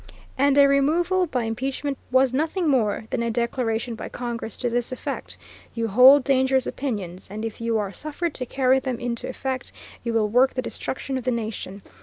And a removal by impeachment was nothing more than a declaration by Congress to this effect: You hold dangerous opinions, and if you are suffered to carry them into effect you will work the destruction of the nation.